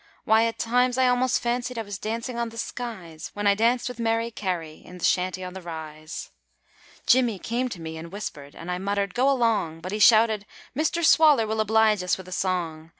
Why, at times I almost fancied I was dancing on the skies, When I danced with Mary Carey in the Shanty on the Rise. Jimmy came to me and whispered, and I muttered, 'Go along!' But he shouted, 'Mr. Swaller will oblige us with a song!'